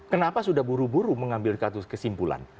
kenapa sudah buru buru mengambil kesimpulan